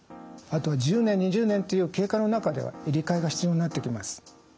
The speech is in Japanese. あと１０年２０年という経過の中では入れ替えが必要になってきます。